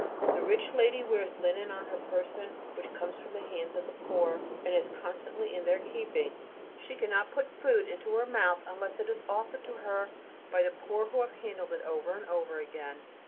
The rich lady wears linen on her person which comes from the hands of the poor, and is constantly in their keeping; she cannot put food into her mouth unless it is offered to her by the poor who have handled it over and over again.